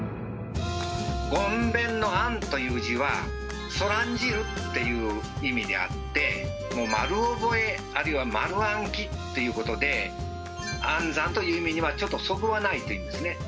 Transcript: ごんべんの「諳」という字は「そらんじる」っていう意味であってもう丸覚えあるいは丸暗記ということで暗算という意味にはちょっとそぐわないというんですね。